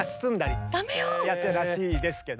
やってたらしいですけど。